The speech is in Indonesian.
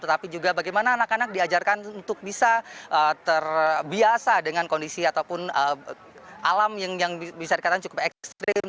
tetapi juga bagaimana anak anak diajarkan untuk bisa terbiasa dengan kondisi ataupun alam yang bisa dikatakan cukup ekstrim